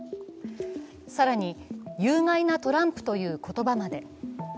更に有害なトランプという言葉まで。